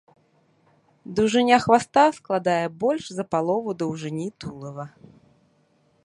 Даўжыня хваста складае больш за палову даўжыні тулава.